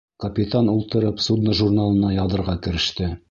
Капитан ултырып судно журналына яҙырға кереште: